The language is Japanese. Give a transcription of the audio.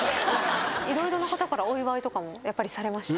色々な方からお祝いとかもやっぱりされました？